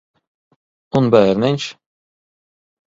Un bērniņš?